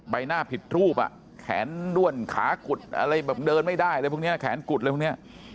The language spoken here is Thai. ใบหน้าผิดรูปอ่ะแขนด้วนขากุดอะไรแบบเดินไม่ได้อะไรพวกนี้แขนกุดอะไรพวกนี้